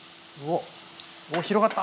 おっ！